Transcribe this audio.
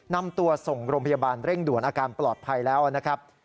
นำตัวส่งโรงพยาบาลเร่งด่วนอาการปลอดภัยแล้วนะครับ